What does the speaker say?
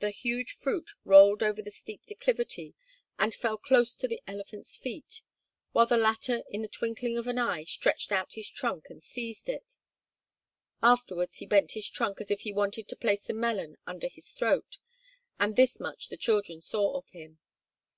The huge fruit rolled over the steep declivity and fell close to the elephant's feet, while the latter in the twinkling of an eye stretched out his trunk and seized it; afterwards he bent his trunk as if he wanted to place the melon under his throat and this much the children saw of him.